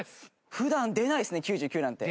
普段出ないですね９９なんて。